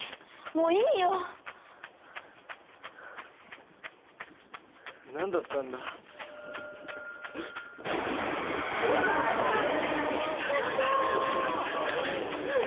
もういいよ何だったんだうわーっ！